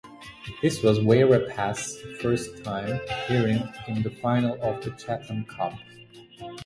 This was Wairarapas first time appearing in the final of the Chatham Cup.